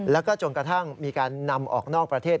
แล้วก็จนกระทั่งมีการนำออกนอกประเทศ